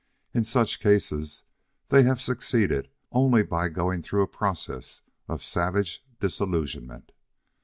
In such cases they have succeeded only by going through a process of savage disillusionment.